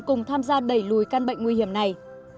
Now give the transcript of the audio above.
cùng tham gia đẩy lùi căn bệnh nguy hiểm này